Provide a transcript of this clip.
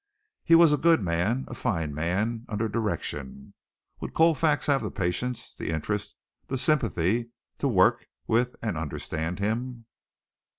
He was a good man, a fine man, under direction. Would Colfax have the patience, the interest, the sympathy, to work with and understand him?